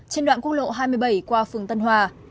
trên đoạn quốc lộ hai mươi bảy qua phường tân hòa